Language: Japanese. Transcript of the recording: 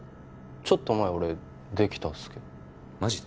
ちょっと前俺できたんすけどマジで？